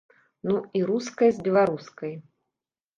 Ну і руская з беларускай.